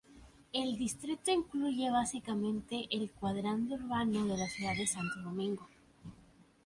El distrito incluye básicamente el cuadrante urbano de la ciudad de Santo Domingo.